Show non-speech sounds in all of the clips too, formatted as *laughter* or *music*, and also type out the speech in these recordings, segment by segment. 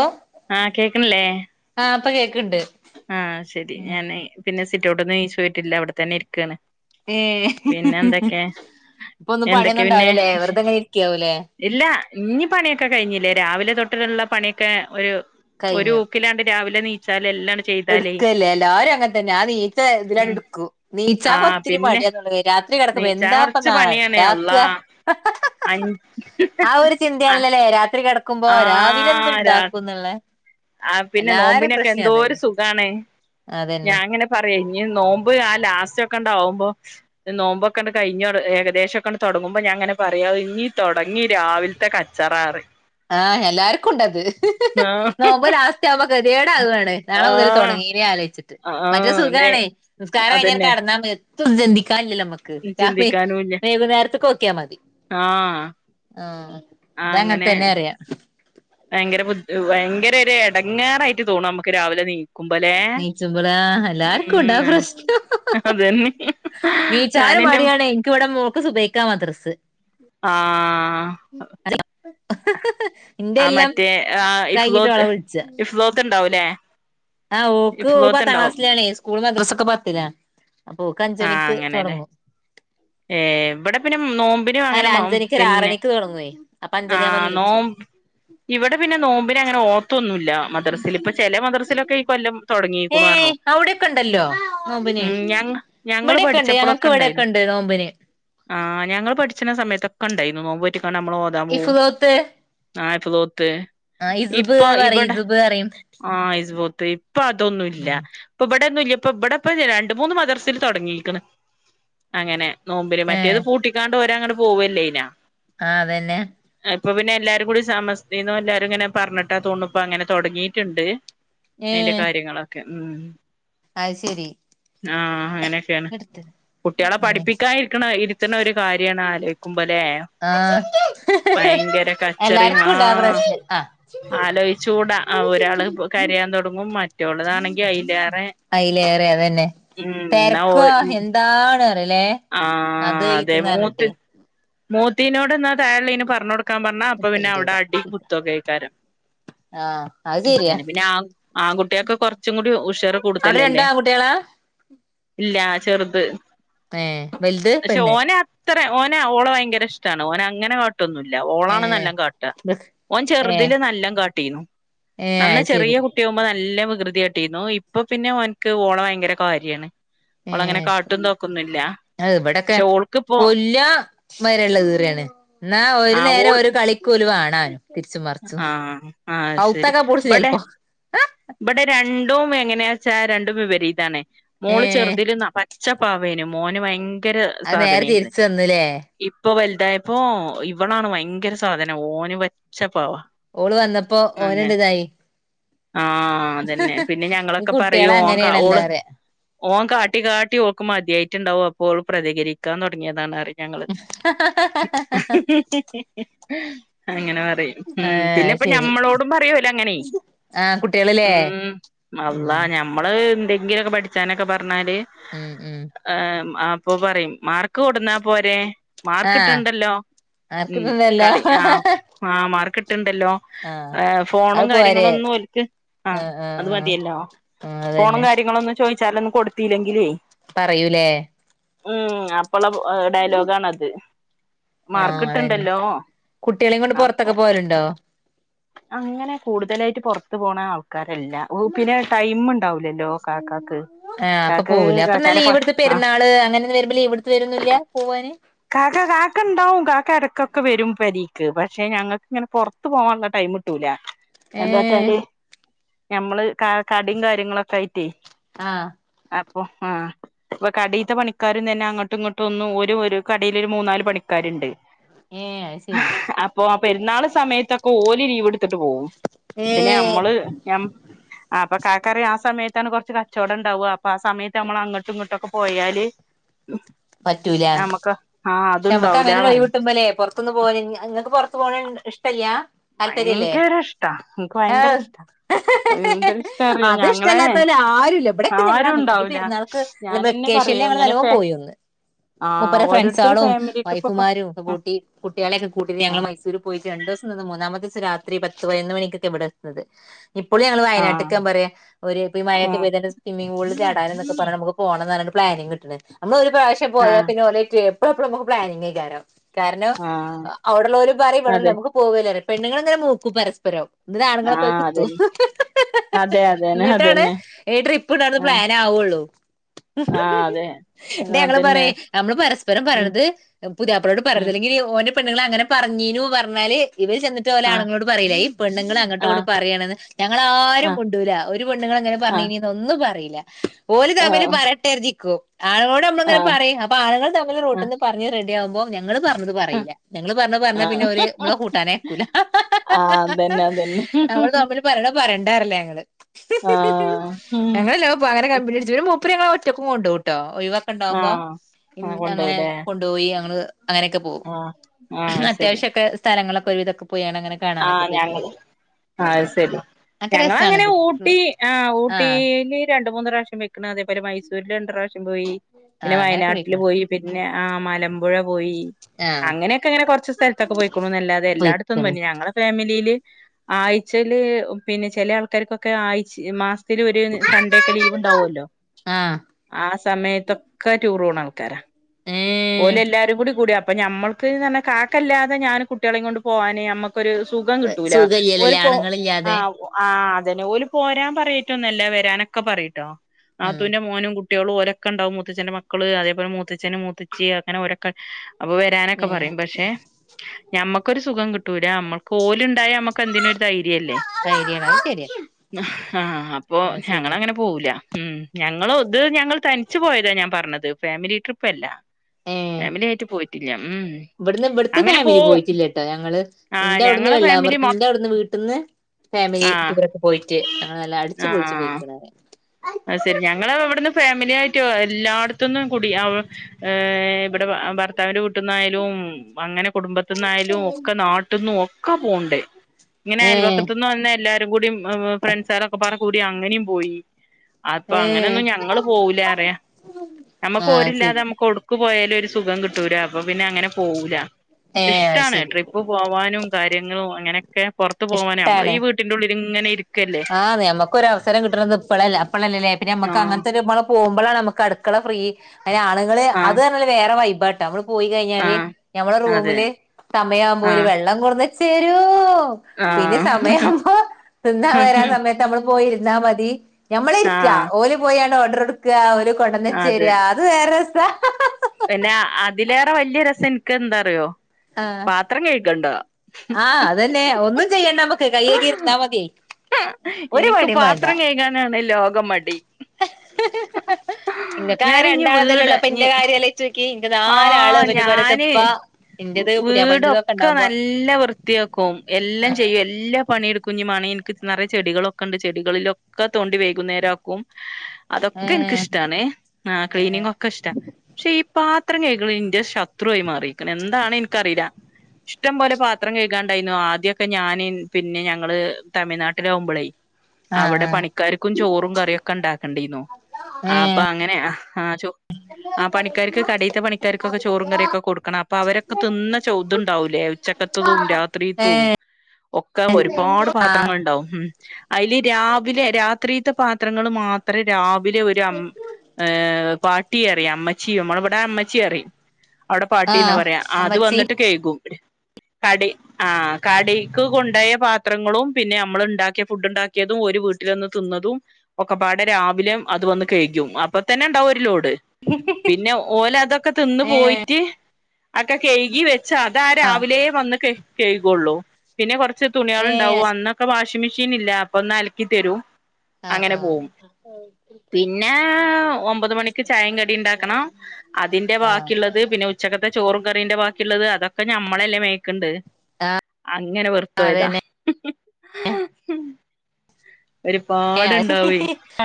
ഓ ആഹ് കേക്കണില്ലേ ആ ഇപ്പൊ കേക്ക്ണ്ട് ആഹ് ശരി ഉം ഞാൻ പിന്നെ സിറ്റോട്ടിന്നു നീച്ചു പോയിട്ടില്ല അവിടെത്തന്നെ ഇരിക്കയാണ് ഏ പിന്നെ എന്തൊക്കെ ഇപ്പൊ ഒന്നും എന്തൊക്കെ പണിയൊന്നും പിന്നെ ഉണ്ടാവൂലല്ലേ വെറുതെങ്ങനെ ഇരിക്കാവൂലേ ഇല്ല ഇനി പണിയൊക്കെ കഴിഞ്ഞില്ലേ രാവിലെ തൊട്ടുള്ള പണിയൊക്കെ ഒരു ഒരു കഴിഞ്ഞു ഊക്കിലാണ്ട് രാവിലെ നീക്കി എടുക്കല്ലേ എല്ലാവരും അങ്ങനെ തന്നെ ആഎണീച്ച ഇതില ഉം എടുക്കൂ ണീച്ചാ. ആഹ് ഇത്തിരി പിന്നെ മടിയ രാത്രി കിടക്കുമ്പോ നീച്ചാൻ എന്താപ്പ കൊറച്ച് നാളെ പണിയാണ് ഉണ്ടാക്ക അള്ളാ അ ആ ഒരു ചിന്തയാണല്ലേ രാത്രി കിടക്കുമ്പോ ഒ രാവില ആഹ് രാ എന്തണ്ടാക്കുംന്നുള്ളെ എല്ലാരും പ്രശ്നം അതന്നെ അതാണ് അതന്നെ ഞാൻ അങ്ങനെ പറയ ഇ നോമ്പ് ആ ലാസ്റ്റ് ഒക്കെണ്ടാവുമ്പോ നോമ്പൊക്കണ്ട് കഴിഞ്ഞ ഏകദേശം ഒക്കെണ്ട് തുടങ്ങുമ്പോ ഞാ അങ്ങനെ പറയാ ഇനി തുടങ്ങി രാവിലത്തെ കച്ചറ ആഹ എല്ലാർക്കുംണ്ടത് ആഹ് ഹ ഹ ഇപ്പൊ ലാസ്റ്റ് ആവുമ്പോ ഗതിയാട് ആവുകയാണ് നാളെ ആഹ് മുതൽതുടങ്ങി ലെ മറ്റൊരു ആഹ് നെ സുഖാണേ നിസ്കാരം കഴിഞ്ഞാൽ അതന്നെ കിടന്നാ മതി എത്തും ചന്തിക്കണ്ട ചിന്തിക്കാനുല്ല *unintelligible* വൈകുന്നേരതക്ക് നോക്കിയാൽ മതി ആഹ ഇതങ്ങനെ അങ്ങനെ തന്നെ അറിയാം ഭയങ്കരഭയങ്കര ഒരു എടങ്ങാറായിട്ട് തോന്നും നമുക്ക് രാവിലെ ണീ നീച്ചുമ്പോൾ എല്ലാർക്കും ഉണ്ടാ ഉം പ്രശ്നം അതന്നെ നീച്ചനും ഞാനെന്റെ മടിയാണ് എനിക്ക് ഇവിടെ മോൾക്ക് സുഭിഹിക്കാ മദ്രസ്സ് ആ ഹഹ് ഹഹ്, ഇന്റെ, എല്ലാം, മറ്റേ ആ കഴിഞ്ഞിട്ട്, ഇഫ്ലോത്ത് ഓളെ വിളിച്ച ഇഫ്ലോത്ത് ഇണ്ടാവൂലേ ആഹ്, ഓക്ക്, ഇഫ്ലോത്ത് പത്താം, ഇണ്ടാവും ക്ലാസ്സിലണേ, സ്കൂൾ, മദ്രസ്സൊക്കെ, പത്തില്ല- ഓക്ക, ആഹ് അഞ്ചണിക്ക്, അങ്ങനെല്ലേ തൊടങ്ങും. ഇവനും, അങ്ങനെ, അല്ല അഞ്ചണിക്ക് അല്ല പിന്നെ, ആറണിക്ക് തുടങ്ങുവേ അപ്പൊ ആ, അഞ്ചണിയാവുമ്പോ നോ നീച്ചു ഇവിടെ, പിന്നെ, നോമ്പിനെ, അങ്ങനെ, ഓർത്തു മദ്രസയിൽ ഇപ്പെ ചെലെ, മദ്രസിലൊക്കെ, ഈ കെല്ലം. തൊടങ്ഹീക്കുണു, ഏയ് പറഞ്ഞു, അവിടെക്കെ ഉണ്ടല്ലോ നോമ്പിന് ഉം ഞാ ഞങ്ങള്, ഇവിടെയൊക്കെ ഉണ്ട് ഞങ്ങൾക്ക് പഠിച്ചപ്പോഴൊക്കെ, ഇവിടെയൊക്കെ ഉണ്ടായിന്നു. ഉണ്ട് നോമ്പിന് ആ, ഞങ്ങൾ, പഠിച്ചണ, സമയത്തൊക്കെ, ണ്ടായിരുന്നു, നോമ്പ് നേറ്റ് നമ്മള്, ഓതാൻ പോവും, ഇഫ്ലോത്ത് ആ ഇഫ്ള് ഓ ത്ത്, ആ ഇസുബ് ഇപ്പൊ, എന്ന് പറയും ഇവിടെ, ഇസുബ് പറയും ആ ഇസ്ബോ ഇപ്പൊ, അതൊനും, ഇല്ല, ഉം ഇപ്പൊ, ഇവിടെൊന്നുംല്ല ഇപ്പ ഇവിടെപ്പ രണ്ട, മൂന്ന്, മദർസിൽ തുടങ്ങിയിരിക്കണ് അങ്ങനെ നോമ്പില് ഏ മറ്റേത് പൂട്ടിക്കാണ്ട് ഓര അങ്ങനെ, പോവല്ലേയ്ന്നേ ആ അതന്നെ ഇപ്പൊ പിന്നെ എല്ലാരും കൂടി സമസ്തെന്ന് എല്ലാരും ഇങ്ങന പറഞ്ഞിട്ടാ തോണ് അങ്ങനെ തുടങ്ങിയിട്ടുണ്ട് അയിന്റെ കാര്യങ്ങളൊക്കെ ഉം. അയ് ശരി. ആ. അങ്ങനെയൊക്കെയാണ്. എടുത്ത് കുട്ടികളെ പഠിപ്പിക്കാൻ ഇരിക്ക്ണെ ഇരുത്തണ ഒരു കാര്യണ് ആലോചിക്കുമ്പോലേ ആ ഭയങ്കര കച്ചറിം എല്ലാർക്കും ആ ഉണ്ടാ പ്രശ്നം ആ ആലോയ്ച്ചൂടാ ആ ഒരാള് കരയാൻ തുടങ്ങും മറ്റേ മറ്റേളതാണെങ്കിൽ അയ്ലേറെ അയിലേറെ അതന്നെ ഉം ഇന്നാ തിരക്കാ ഓര് എന്താണ് അറിയില്ലേ ആ അത് അതെ ഇതെന്ന് മൂത്തി പറഞ്ഞിട്ടെ മൂത്തീനോട് ഇന്നാ താഴള്ളീന് പറഞ്ഞ് കൊടു ക്കാൻ പറഞ്ഞ അപ്പൊ പിന്നെ അവിടെ അടി, കുത്തും ഒക്കെ ആയ്കക്കാരം ആ അത് ശരിയാ അതെന്നെ പിന്നെ ആ ആൺകുട്ടിയൊക്കെ കുറച്ചും കൂടി ഉഷർ അവിടെ കൂടുത്തല്ലേ രണ്ട് അല്ലേ ആൺകുട്ടികളാ ഇല്ല ചെറുത് ഏ വലുത് പെണ്ണ് ഇത്ര ഓന ഓളെ ഭയങ്കര ഇഷ്ടണ് ഓന അങ്ങെനെ കാ ട്ടൊന്നുമില്ല ഏ ഓളാണ് നല്ലോ കാട്ടാ ഓൻ ഏ ചെറുതില് നല്ലോമ് കാട്ടീനു ഏ അത് ശരി നന്നചെറിയ കുട്ടിയആകുമ്പോ നല്ലോ കൃതികാട്ടിരുന്നു ഇപ്പൊ പിന്നെ ഓനിക്ക് ഓളെ ഭയങ്കരം കാര്യണ്. ഒളെ അങ്ങനെ കാട്ടും ഇതാക്കൊന്നുംല്ല അയ് ഇവിടെൊക്കെ കൊല്ല വരെയുള്ള ഈറയാണ് എന്നാ ഒരു ആ നേരം ഓൾ ഒരു കളിക്കോല് വാണാനും തിരിച്ചു മറിച്ചും ആഹ് ആഹ് ശരി കൗതെക്കെ പിടിച്ചും ഇബടെ ചിലപ്പോ ഇബടെ രണ്ടും എങ്ങനെയാച്ചാ രണ്ടും വിവരിതാണ് ഏ മോള് ചെറുതിൽ പച്ചപ്പാവേനു മോന് ഭയര ഭയങ്കര അത് നേരെ സാധനായിരുന്നു തിരിച്ച് വന്നുല്ലേ ഇപ്പൊ വല ഇതായപ്പോ ഇവളാണ് ഭയങ്കര സാധനം ഓന് വച്ച ഓള് വന്നപ്പോ ഓന് ണ്ട്തായി ആ അതന്നെ പിന്നെ ഈ ഞങ്ങളൊക്കെ കുട്ടികളെ പറയുംഓൻ അങ്ങനെയാണല്ലോ ഓള് പറയാ ഓൻ കാട്ടി കാട്ടി മതിയായിട്ടുണ്ടാവും, അപ്പോ ഓള് പ്രതികരിക്കാൻ തുടങ്ങിയതാണ് പറിം ഞങ്ങള് അങ്ങനെ പറയും ആ ഉം പിന്നെ അത് ഇപ്പ ശരി ഞമ്മളോടും പറയും *unintelligible* ഓല് അങ്ങനെ ആ കുട്ടികളില്ലേ മമ് ഉം അള്ളാഹ് നമ്മളീ എന്തെങ്കിലൊക്കെ പഠിച്ചാനൊക്കെ പറഞ്ഞാല് ഉം ഉം ഹ ആ. അപ്പൊ പറയും മാർക്ക് കൊടന്നാ പോരെ മാർക്ക് ആഹ് കിട്ട്ണ്ടല്ലോ? ഉം ആർക്കിട്ടണ്ടല്ലോ കളി ആ ആ മാർക്കിട്ടുണ്ടല്ലോ ആഹ് ആ ഫോണും അത് കാര്യങ്ങളെ പോരെ ഒന്നും ആ, ആഹ് ആഹ് അത് ആഹ് മതിയല്ലോ ആഹ് ഫോണും അതന്നെ കാര്യങ്ങളഒന്നും ചോദിച്ചാലൊന്നും കൊടുത്തില്ലെങ്കില് പറയൂലേ? ഉം അപ്പുള്ള ഡയലോഗാണത് ആഹ് അതന്നെ മാർക്കിട്ടുണ്ടല്ലോ കുട്ടികളെയും കൊണ്ട് അപ്പൊ പുറത്തൊക്കെ പോവലുണ്ടോ അങ്ങനെ കൂടുതലായിട്ട് പുറത്തു പോണ ആൾക്കാ അല്ലഓ പിന്നെ ടൈം ണ്ടാവൂലല്ലോ കാക്കാക്ക് കാക്ക് *unintelligible* അങ്ങനെൊ വരുമ്പോ ലീവ് എടുത്ത് വരന്നില്ല പോവാന് കാക്ക കാക്ക ഉണ്ടാവും കാക്ക ഇടക്കൊക്കെ വരുബോ പെരേക്ക് പക്ഷെ ഞങ്ങക്ക് ഇങ്ങനെ പറത്ത് പോവാനുള്ള ടൈം കിട്ടൂല എന്താ ഏഹ് വച്ചാല് നമ്മള് ക കടിം കാര്യങ്ങളൊക്കെ ആയിറ്റെയ് ആഹ അപ്പൊ ആഹ് പ്പൊ കടീത്ത പണിക്കാരും തന്നെ അങ്ങോട്ടും ഇങ്ങോട്ടും ഒന്നും ഓരു *unintelligible* മില്ലല് മൂന്നാല് പണിക്കാരുണ്ട് ഏഹ് അത് ശരി അപ്പോ ആ പെരുന്നാൾ സമയത്തൊ ക്കെ ഓല് ലീവെടുത്തിട്ട് പോവും പിന്നെ ഏഹ് അമ്മള് ഞ അപ്പൊ കാക്കറി ആ സമയ ത്താണ് കുറച്ച് കച്ചോടംണ്ടാവാ അപ്പൊ ആ സമയത്ത് മ്മൾ അങ്ങോട്ടും ഇങ്ങോട്ടൊക്കെ പോയാല് പറ്റൂലാന്ന് ഞമ്മക്ക് ആഹ് ക്ഷെമ്മക്ക് അതുണ്ടാവൂല പറയും അങ്ങനെരുഴിവിട്ടുമ്പോലെ പുറത്തുന്ന് *unintelligible* *unintelligible* ഭയങ്കര ഇഷ്ട്ടാ ഇൻക് ഭയങ്കര ഏഹ് ഇഷ്ട്ടാ എന്തൊരിഷ്ട്ടാറിയോ അത് ഞങ്ങളെ ഇഷ്ടമല്ലാത്തവര് ആരുമില്ല ഇവിടെയൊക്കെ ഞങ്ങൾ ആരും അങ്ങനെ ഞങ്ങൾ ഉണ്ടാവൂല പെരുന്നാൾക്ക് അല്ല ഞാന ങ്ങ വെക്കേഷനിൽ പറയോ ഞങ്ങൾ നല്ലോണം ഇങ്ങനൊക്കെ പോയി ഒന്ന് ആ ഓരോ *unintelligible* വൈഫുമാരും ക്കെ കൂട്ടി കുട്ടികളെക്കെ കുട്ടിട്ട് ഞങ്ങള് ആഹ് മൈസൂര് പോയിട്ട് രണ്ടു ദിവസം നിന്ന് മു മൂന്നാമത്തെ ദിസം രാത്രി പത്ത് പയിനൊന്ന് മണിക്കൊക്കെ ഇവിടെത്തുന്നത്. ഇപ്പളും ഞങ്ങള് വയനാട്ട്ക്ക് ഞാ ആഹ് പറയാ ഒരു ഇപ്പൊ മഴക്കെ ആഹ് പെയ്തെന്റെ സ്വിമ്മിങ്ങ്പൂളിൽ ചടാന് ന്നൊക്കെ പറഞ്ഞ നമുക്ക് പോണംന്ന്റഞ്ഞിട്ട് പ്ലാനിങ്ട്ട്ട്ട്ണ്ടയ്ന് നമ്മള് ഒരു പ്രാവശ്യ പോയാ ആഹ് പിന്നെ ഓലേറ്റ് എപ്പളും എപ്പളുംനമുക്ക് പ്ലാനിങ്ങേയ്ക്കാരം. കാരണം, ആഹ് ആഹ് അവിടെള്ളോരും പറീം ഇവിടെള്ള അതെ നമുക്ക് പോവല്ലേ പെണ്ണുങ്ങൾ ഇങ്ങനെ മൂക്കും പരസ്പരം. ന്നിട്ട് ആണുങ്ങളെ പോയി ആഹ് കുത്തും അതന്നെ ഹ് ഹ് ഹ് ഹ് ഹ് ഹ്ഹ്ഹ് അതെ അതന്നെ ന്നിട്ടാണ് അതന്നെ ഈ ട്രിപ്പ് ണ്ടന്ന് ആഹ് പ്ലാന് ആവുള്ളു. ആഹ് അതെ *unintelligible* ഞങ്ങള് അതന്നെ പറീം മ്മള് പരസ് ഉം പറര്ത്പുതിയാപ്പളോട് ഉം പറര്ത് ല്ലെങ്കില് ഓന്റെ പെണ്ണുൾ അങ്ങനെ പറഞ്ഞീനു പറഞ്ഞാല് ഇവര് ചെന്നിട്ട് ഓലെ ആ ആണുങ്ങളോട് പറയീലെ ഈ പെണ്ണുൾ അങ്ങട്ടും ആ ഇങ്ങട്ടും പറയാണ് ന്ന് ഞങ്ങൾ ആ ആരും മുണ്ടൂല ഒരു പെണ്ണുങ്ങ അങ്ങനെ ആ ആ പറഞ്ഞീനിന്ന് ഒന്ന് പറീ ഓല് തമ്മില് പറയട്ടെരുതിക്കും ആണുങ്ങളോട് നമ്മള ആ ആ ആ ഇങ്ങനെ പറയും അപ്പൊ ആണുങ്ങൾ തമ് ങ്ങള് റോട്ട്ന്ന് പറഞ് റെഡി ആവുമ്പോ ഞ ഞങ്ങള് പറഞ്ഞത് പറയീല ങ്ങള് പറഞ്ഞ പറഞ്ഞ ആ പിന്നെ ഓര് ളെ കൂട്ടാനയ്ക്കൂല ഹ ഹ ഹ ഹ ഹ എന്നാ തന്നെ *unintelligible* *unintelligible* പ്പര് ഉം ഞങ്ങളെ ഒറ്റക്കും കൊണ്ടോവും ട്ടോ ഒഴിവാക്കെ ആ ണ്ടാകുമ്പോ ആ അങ്ങനെ കൊണ്ടോവുലേ കൊണ്ടുയി ഞങ്ങള് അങ്ങനെയൊക്കെ പോകും ആ ആ ശരി അത്യാവശ്യക്കെ സ്ഥലങ്ങളൊക്കെ ഒരുവിതൊക്കെ കാണാനൊക്കെ പോയിക്ക്ണ്. ആഹ് ശരി അതൊക്കെ രസാണ് ഞങ്ങളങ്ങനെ ഊട്ടി ആ ആഹ് ഊട്ടിയില് രണ്ട് മൂന്ന് പ്രാവശ്യം പൊയ്‌ക്ക് ണ് അതേപോലെ മൈസൂര് രണ്ട് പ്രാവശ്യം പോയി. പിന്നെ ആഹ് അങ്ങനൊക്കെ വയനാട്ടില് പോയിക്ക്ണ് പോയി പിന്നെ ആ മലമ്പുഴ പോയി ആഹ് അങ്ങനെയൊക്കെ സ്ഥൽത്തൊക്കെ പോയിക്കുണു ന്നല്ലാതെ എല്ലായിടത്തും പോയിക്ക്ണ് *unintelligible* മ്മളെ ഫാമിലിയില് ആഴ്ചല് പിന്നെ ചെല ആൾക്കാര്ക്കൊക്കെ ആയ്ച് മാ ത്തിൽ ഒരു സൺഡേ ഒക്കെ ലീവ് ഉണ്ടാവുലോ ആഹ് ആ സമയത്തൊക്കെ റ്റൂറോണാ ആൾക്കാരാ ഏഹ് ഓല് എല്ലാരും കൂടി കൂട്ടാൻ അപ്പം നമ്മക്ക്ന്ന് പറഞ്ഞാൽ കാക്കല്ലാതെ ഞാൻ കുട്ടികളെയും കൊണ്ട് പോകാന് നമ്മക്ക് ക്കോര് സുഖം കിട്ടൂല ഒരു സുഖല്ലല്ലോല്ലേ കൊ ആ ആണുങ്ങളില്ലാതെ ആ തന്നെ ഓല് പോരാൻ പറയ്ട്ടോന്നല്ല വരാനൊക്കെ പറയിട്ടോ ഉം നത്തൂന്റെ മോനുകുട്ട് കുട്ടിയേളും ഒരൊക്കെണ്ടാകും മുത്തച്ഛന്റെ മക്കള് അതേപോലെ മത്തച്ഛന് മൂത്തച്ചി അങ്ങനെഓ രൊക്കെ അപ്പൊ വരാനൊക്കെ ഏഹ് പറിം പക്ഷെ ഞമ്മക്കൊരു സുഖം കിട്ടൂ ര മ്മൾക്ക് ഓലുണ്ടായ നമക്ക് എന്തിനും ഒരു ധൈര്യം അല്ലേ. ശരിയാണ് അത് ശരിയാ അ ഹ്ഹ അപ്പൊ അത് ശരിയാ ഞങ്ങളങ്ങനെ പോവൂല. ഉം ഞങ്ങളൊ ത് ഞങ്ങൾ തന്ച്ച് പോയതാ ഞാൻ പറഞ്ഞത് ഫാമിലി ട്രിപ്പ് അല്ല. ഏഹ് ഫാമിലി ആായിട്ട് പോയിട്ടില്ല ഉം ഇവിടുന്ന് ഇവിടുത്തെ അങ്ങനെ ഫാമിലി പോവും പോയിട്ടില്ല ട്ടോ ഞങ്ങള്. ആഹ് എന്റെ അവിടുന്ന് ഞങ്ങളെ ഫാമിലി വെള്ളാമ്പുറത്ത് മൊ നിന്റെ അവിടുന്ന് വീട്ട്ന്ന് ഫാമിലി ആഹ് ടൂറൊക്കെ പോയിറ്റ് ഞങ്ങള് നല്ല അടിച്ചുപൊളിച്ച് ആഹ് പോയിക്ക്ണ് റ അത് ശരി ഞങ്ങള് വിടുന്ന് ഫാമിലി ആയിറ്റൊ എല്ലാടത്തൊന്നും കൂടി *unintelligible* വിടെ ഭർത്താവിന്റെ വീട്ടിന്നായാലും അങ്ങനെ കുടുംബത്തിന്നായലും ഒക്കെ നാട്ടിന്നും ഒക്കെ പോവു ങ്ങനെ ഏഹ് അയൽവക്കത്തന്ന് വന്ന എല്ലാരും കൂടിം ഫ്രണ്ട്സ്ളോക്കപ്പാടെ കൂ അങ്ങനേം പോയി അപ്പൊ ഏഹ് അങ്ങനെന്നും ഞങ്ങള് പോവൂല റിയ നമ്മക്ക് ആഹ് ഓരില്ലാതെ ശരി നമുക്ക് ഒടുക്ക് പോയാലും ഒരു സുഖം കിട്ടൂരാ അപ്പൊ പിന്നെ അങ്ങനെ പോകൂല ഏഹ് ഇഷ്ടാണ് ശരി ട്രിപ്പ് പോവാനും കാര്യങ്ങളും അങ്ങനെ ഇഷ്ട്ടാണ് ഇങ്ങനെ ഇരിക്കല്ലേ ആന്ന് ഞമ്മക്ക് ഒരവസരം കിട്ടണത് ഇപ്പളല്ല അപ്പളല്ലലെ. പിന്നെ നമ്മക്ക് ആഹ് അങ്ങനത്തെ ഒരുമ്മള് പോകുമ്പളാണ് നമുക്ക് അടുക്കള ഫ്രീ അയിന് ആണുങ്ങള് ആഹ് അത് റഞ്ഞാല് വേറെ വൈ ബട്ട നമ്മള് പോയി കഴിഞ്ഞാല് ആഹ് നമ്മളെ അതെ റൂമില് സമയാവുമ്പോ ഓല് ആഹ് വെള്ളം കൊടന്ന് *unintelligible* പിന്നെ ആഹ് സമയാ വുമ്പോ തിന്നാ വരാ സമയത്ത് മ്മള് പോയിരിന്നാ മതി ഞമ്മളിരിക്ക ആഹ് ഓല് പോയാണ്ട് ഓഡർടുക്ക അതെ കൊടന്നച്ചരാ അത് വേറെ രസ ക്ക് ന്താറിയോ ആഹ് പാത്രം കഴികണ്ട ആഹ് അതെന്നെ ഒന്നും ചെയ്യണ്ട മ്മക്ക് കൈയ്യകിരുന്നാ മതി ഇനിക്ക് പാത്രം കഴകാനാണ് ലോക മടി. ഹ്.. ഹ്.. ഹ് ഹ് ഇങ്ങക്കാകെ രണ്ടാളതല്ലേ ഉള്ളൂ അപ്പൊ ഇന്റെ കാര്യംഅലോയ്ചോക്കി. ആഹ ഞാന് ഇന്റത് പുതിയാപ്പളന്റെത് ഒക്കെ വീടൊക്കെ ഉണ്ടാവുമ്പോ നല്ല വൃത്തിയാക്കും. എല്ലാം ആഹ് ചെയ്യും എല്ലാ പണിയെടുക്കും ഞ്ഞി എനിക്ക് നിറയ ചെടികളൊക്കെ ഉണ്ട് ചെടികളിലൊക്കെ തോണ്ടി വൈകുന്നേരാക്കും അതൊക്കെ ഏഹ് എനക്കിഷ്ട്ടാണെ ആ ക്ലീനിങ്ങ്ക്കെ ഇഷ്ട്ടാ ക്ഷെ ഈ പാത്രം കൈകള് ഇന്റെ ശത്രുായി മാറിക്ക്ണ് എന്താണ് ഇൻക്കറീല ഷ്ട്ടം പോലെ പാത്രം കഴുകാണ്ടായീന്നു ആദ്യക്കെ ഞാന് പിന്നെ ഞങ്ങള് തമിഴ്നാട്ടിലാകുമ്പോളേയ് ആഹ് അവിടെ ആഹ് പണിക്കാർക്കും ചോറും കറിയൊക്കെ ഉണ്ടാക്കണ്ടിന്നു. ഏഹ് *unintelligible* *unintelligible* കടീത്ത പണിക്കാർക്കൊക്കെ ചോറും കറിയൊക്കെ കൊടുക്കണം അപ്പൊ അവരൊക്ക തിന്ന ചോതുണ്ടാവൂല്ലെ ഉച്ചക്കത്തതുംരാ രാത്രീത്തും ഏഹ് ഒക്കെ ഒരുപാട് ആഹ് പാത്രങ്ങൾ ഉണ്ടാവും ഉം അയ്ല് രാവിലെ രാത്രിത്തെ പാത്രങ്ങൾ മാത്രേ രാവി *unintelligible* അവിടെ പാട്ടീന്നാ ആഹ് പറയാ അത് അമ്മച്ചി വന്നിട്ട് കെയ്കും. കടി ആ കടീക്ക് കൊണ്ടായ പാത്രങ്ങളും പിന്നെ മ്മളുണ്ടാക്കിയ ഫുഡ് ണ്ടാക്കിയതും ഒരു വീട്ടിലന്ന് തിന്നതും ഒക്കെപാടെ രാവിലെ അത് വന്ന് *unintelligible* അപ്പത്ത ന്നെ ഉണ്ടാവും ഒരു ലോ *unintelligible* പിന്നെ ഓലതൊക്കെ തിന്ന് ഏഹ് പോയിറ്റ് ഒക്കെ കഴുകി വെച്ച് അതാ ആഹ് രാവിലെ വന്ന് കൈ കഴുകുള്ളൂ പിന്നെ കൊറ ച്ച് തുണിയെള് ഏഹ് ഉണ്ടാവും അന്നൊക്കെ വാഷിംഗ് മെഷീൻ ഇല്ല അപ്പൊ ഒന്ന് അലക്കി ത്തരും. ആഹ് ആഹ് പിന്നെ അ അതിന്റെ ആഹ് വാക്കിള്ളത് പിന്നെ ഉച്ചക്കത്തെ ചോറും കറിന്റെ വാക്കി ള്ളത് അതൊക്കെ ഞ നമ്മളെല്ലേ മേയ്ക്ക്ണ്ട് അങ്ങനെ വെറത്തോയ്താ അതന്നെ *inaudible* ഏ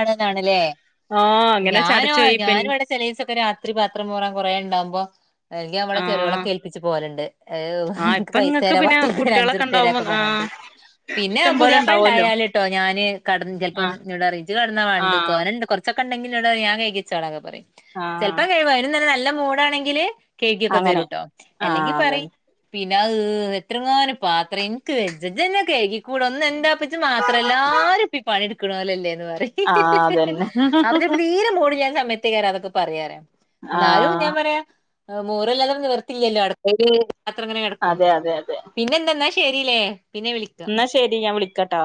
അത് *unintelligible* ആഹ് അങ്ങനെ ഞാനോ, ചടച്ച് പോയിപ്പ ഞാനുവിടെ ചെലെസൊക്കെ രാത്രി പാത്രം മോറാൻ കൊറേ ണ്ടാവുമ്പോ എങ്കി അവളെ ആഹ് ചെറോളൊക്കെ ഏൽപ്പിച്ചു പോലണ്ട്. ഏ് ആഹ് ഇൻക് ഇപ്പ ഇങ്ങക്ക് പൈസരാ പിന്നെ പത്തുർപ്യരാ കുട്ടികളൊക്കെ ഉണ്ടാവുമ്പോ അഞ്ചുർപ്യരാക്കെ ആഹ് പറഞ്ഞിട്ട് പിന്നെ ഇഷ്ടം പോലെ ഉണ്ടാവുമല്ലോ പുതിയാപ്പളണ്ടായാ ണ്ട് ട്ടോ ഞാന് ക ആഹ് ആഹ് *unintelligible* ആഹ് ചെലപ്പം കഴിവും അയിനും തന്നെ നല്ല മൂടാണെങ്കില് കെയ്കിക്കെ അങ്ങനെ തരൂട്ടോ അല്ലെങ്കി ആഹ് പറി അതന്നെ പി *unintelligible* എത്രങ്ങ്നും പാത്രം എനിക്ക് വെജ് വെജ്ജ തന്നെ കഴുകിക്കൂടെയൊന്ന് എന്താപ്പിച്ച മാത്രം ഏല്ലാരും. പ്പി പണിട്ക്ക്ണോലല്ലേന്ന് പറയ് ഹി ഹി ഹി ആഹ് ഹി ഹി അതന്നെ അപ്പ ചെൽപോ തീരെ മൂഡില്ലാസമയത്തേക്കാരം അതൊക്കെ പറയാറ എന്നാലും ആഹ് ഞാൻ പറയാ മോറിയില്ലാതെന്ന് നിവർത്തിയില്ലല്ലോ അടുത്ത പാത്രം അങ്ങനെ കെടക്കും അതെ അതെ അതെ പിന്നെ എന്തെന്നാ ശരില്ലേ. പിന്നെ വിളിക്ക എന്നാ ശരി ഞാൻ വിളിക്കാട്ടോ